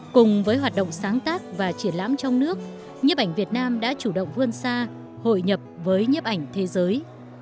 cùng với hoạt động sáng tác và triển lãm trong nước nhiếp ảnh việt nam đã chủ động vươn xa hội nhập với nhiếp ảnh thế giới